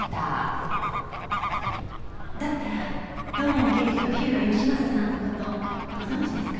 だったら土門刑事と火浦義正さんの事ご存じですか？